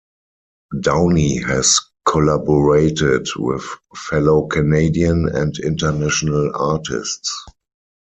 Downie has collaborated with fellow Canadian and international artists.